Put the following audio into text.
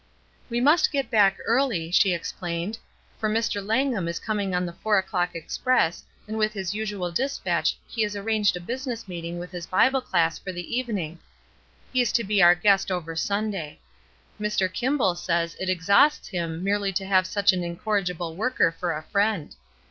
"We must get back early," she explained, "for Mr. Langham is coming on the four o'clock express and with his usual despatch he has ar ranged a business meeting with his Bible class for the evening. He is to be our guest over Sunday. Mr. Kimball says it exhausts him merely to have such an incorrigible worker for a friend.